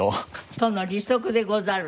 『殿、利息でござる！』